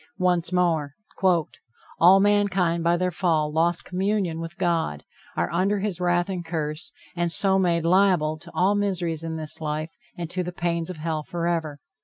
Once more: "All mankind by their fall lost communion with God, are under his wrath and curse, and so made liable to all miseries in this life and to the pains of hell forever."